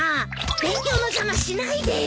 勉強の邪魔しないでよ。